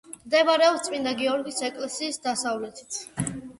მდებარეობს წმინდა გიორგის ეკლესიის დასავლეთით.